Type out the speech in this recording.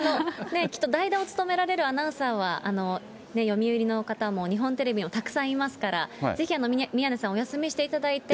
きっと、代打を務められるアナウンサーは、読売の方も日本テレビもたくさんいますから、ぜひ、宮根さん、お休みしていただいて。